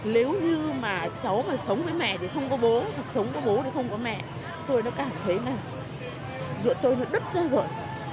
nếu như mà cháu mà sống với mẹ thì không có bố hoặc sống có bố thì không có mẹ tôi nó cảm thấy là ruộng tôi nó đứt ra rồi